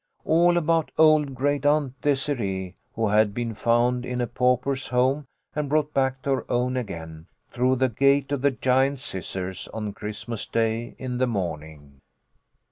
All about old great aunt Desird, who had been found in a pauper's home and brought back to her own again, through the Gate of the Giant Scissors, on Christmas Day in the morning.